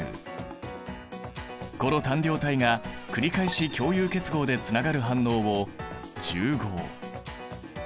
この単量体が繰り返し共有結合でつながる反応を重合。